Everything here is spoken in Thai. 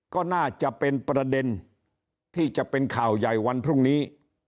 ก็น่าจะเป็นประเด็นที่จะเป็นข่าวใหญ่วันพรุ่งนี้